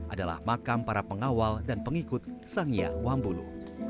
adalah makam para pengawal dan pengikut sangia wambulu